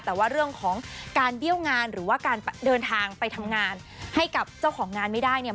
แต่ว่าเรื่องของการเบี้ยวงานหรือว่าการเดินทางไปทำงานให้กับเจ้าของงานไม่ได้เนี่ย